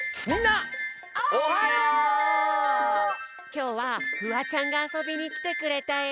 きょうはフワちゃんがあそびにきてくれたよ。